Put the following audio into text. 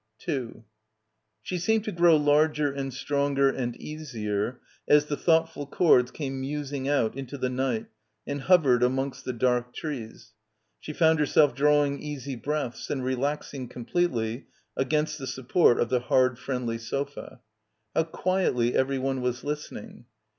2 She seemed to grow larger and stronger and easier as the thoughtful chords came musing out into the night and hovered amongst the dark trees. She found herself drawing easy breaths and re laxing completely against the support of the hard friendly sofa. How quietly everyone was listen ing.